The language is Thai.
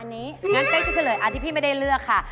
อันนี้งั้นเป๊กจะเฉลยอันที่พี่ไม่ได้เลือกค่ะ